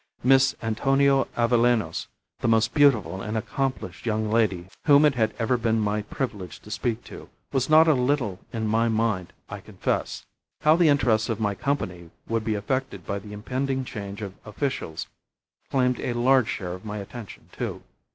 Miss Antonia Avellanos, the most beautiful and accomplished young lady whom it had ever been my privilege to speak to, was not a little in my mind, I confess. How the interests of my Company would be affected by the impending change of officials claimed a large share of my attention, too.